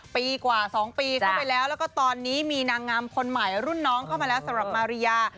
ปีกว่า๒ปีเข้าไปแล้วแล้วก็ตอนนี้มีนางงามคนใหม่รุ่นน้องเข้ามาแล้วสำหรับมาริยา